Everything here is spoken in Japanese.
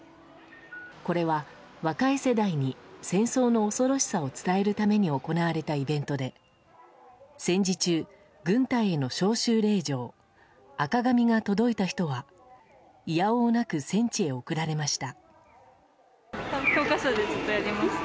これは若い世代に戦争の恐ろしさを伝えるために行われたイベントで戦時中、軍隊への召集令状赤紙が届いた人はいや応なく戦地へ送られました。